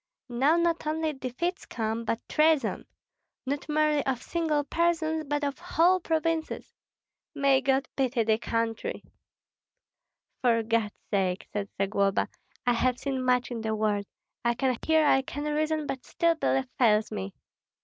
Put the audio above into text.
Now not only defeats come, but treason, not merely of single persons, but of whole provinces. May God pity the country!" "For God's sake," said Zagloba, "I have seen much in the world. I can hear, I can reason, but still belief fails me."